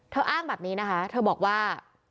อ้างแบบนี้นะคะเธอบอกว่า